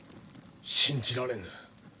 信じられぬ。